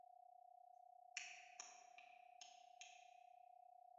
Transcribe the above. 牛背鹭坚体吸虫为棘口科坚体属的动物。